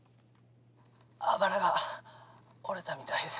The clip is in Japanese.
あばらが折れたみたいです。